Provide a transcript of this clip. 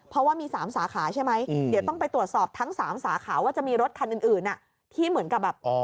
เพราะว่ามี๓สาขาใช่ไหมเดี๋ยวต้องไปตรวจสอบทั้ง๓สาขาว่าจะมีรถคันอื่นที่เหมือนกับแบบ